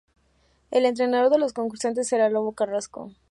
El entrenador de los concursantes será Lobo Carrasco.